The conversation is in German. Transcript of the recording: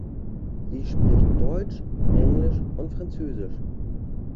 Sie spricht Deutsch, Englisch und Französisch.